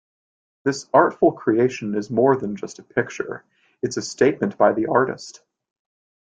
This artful creation is more than just a picture, it's a statement by the artist.